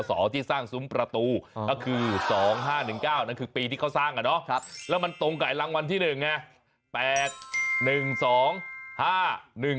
เออต้องมีเสียงแบบนี้ถึงเป็นของจริง